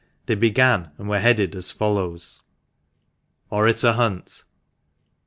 They began and were headed as follows :— ORATOR HUNT. i.